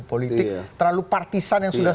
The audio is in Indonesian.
politik terlalu partisan yang sudah